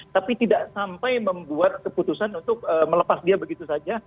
tapi tidak sampai membuat keputusan untuk melepas dia begitu saja